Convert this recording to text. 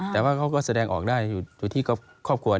แต่ว่าเขาก็แสดงออกได้อยู่ที่ครอบครัว